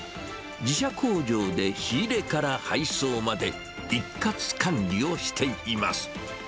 自社工場で仕入れから配送まで、一括管理をしています。